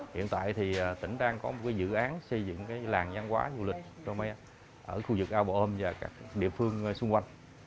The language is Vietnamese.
hiện tại thì tỉnh đang có một cái dự án xây dựng cái làng văn hóa du lịch ở khu vực a bộ âm và các địa phương xung quanh